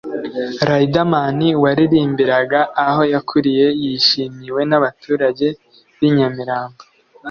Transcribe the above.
Riderman waririmbiraga aho yakuriye yishimiwe nabaturage b'i Nyamirambo